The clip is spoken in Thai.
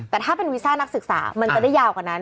แต่ถ้าเป็นวีซ่านักศึกษามันจะได้ยาวกว่านั้น